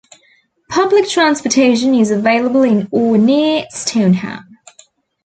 Public transportation is available in or near Stoneham.